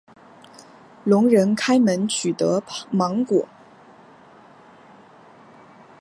聋人开门取得芒果。